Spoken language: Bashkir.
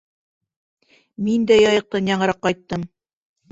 Мин дә Яйыҡтан яңыраҡ ҡайттым.